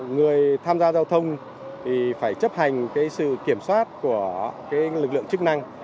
người tham gia giao thông thì phải chấp hành sự kiểm soát của lực lượng chức năng